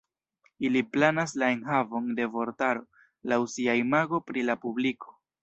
Ili planas la enhavon de vortaro laŭ sia imago pri la publiko.